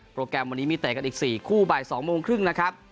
แกรมวันนี้มีเตะกันอีก๔คู่บ่าย๒โมงครึ่งนะครับ